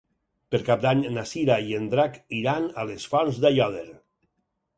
Per Cap d'Any na Cira i en Drac iran a les Fonts d'Aiòder.